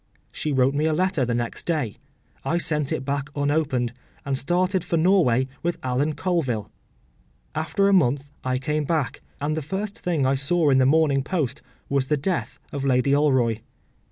She wrote me a letter the next day; I sent it back unopened, and started for Norway with Alan Colville. After a month I came back, and the first thing I saw in the Morning Post was the death of Lady Alroy.